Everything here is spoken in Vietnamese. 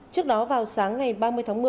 trước đó vào sáng ngày ba mươi tháng một mươi